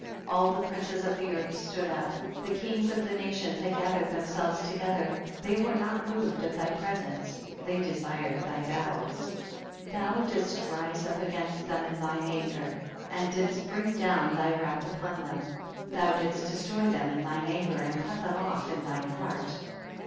9. All the princes of the earth stood up, the kings of the nations had gathered themselves together, ihey were not moved at thy pre sence, they desired thy battles. 10. Thou didst rise against them in thine anger, and didst bring down thy wrath upon them ; thou didst de stroy them in thine anger, and cut them otf in thine heart.